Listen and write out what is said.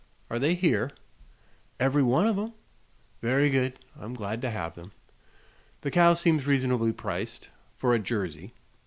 "Are they here?" "Every one of 'em." "Very good. I'm glad to have them. The cow seems reasonably priced, for a Jersey."